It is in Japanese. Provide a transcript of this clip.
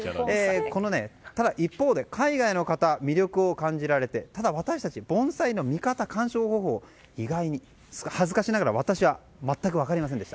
ただ、一方で海外の方は魅力を感じられてただ、私たち盆栽の見方、観賞方法恥ずかしながら私は全く分かりませんでした。